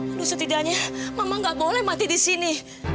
aduh setidaknya mama gak boleh mati disini